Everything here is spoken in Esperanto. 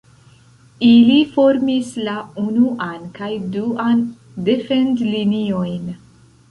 Ili formis la unuan kaj duan defend-liniojn.